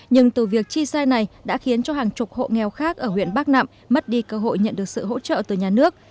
nhưng từ việc chi sai này đã khiến cho hàng chục hộ nghèo khác ở huyện bắc nậm mất đi cơ hội nhận được sự hỗ trợ từ nhà nước